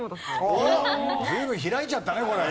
随分開いちゃったねこれ。